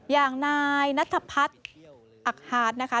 อย่างนายนัทพัฒน์อักฮาร์ดนะคะ